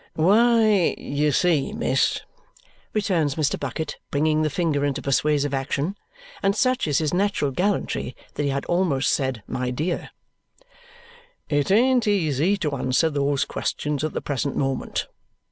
"Why you see, miss," returns Mr. Bucket, bringing the finger into persuasive action and such is his natural gallantry that he had almost said "my dear" "it ain't easy to answer those questions at the present moment.